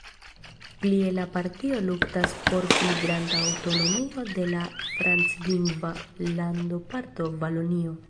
Plie la partio luktas por pli granda aŭtonomio de la franclingva landoparto Valonio.